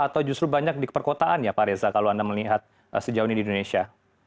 atau justru banyak di perkotaan ya pak reza kalau anda melihat sejauh ini di indonesia